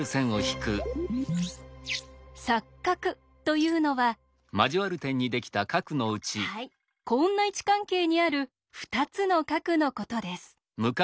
「錯角」というのははいこんな位置関係にある２つの角のことです。